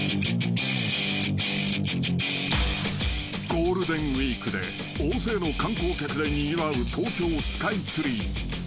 ［ゴールデンウイークで大勢の観光客でにぎわう東京スカイツリー］